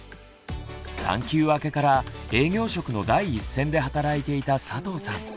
産休明けから営業職の第一線で働いていた佐藤さん。